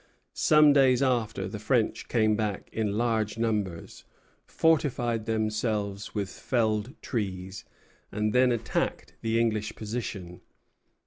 Some days after, the French came back in large numbers, fortified themselves with felled trees, and then attacked the English position.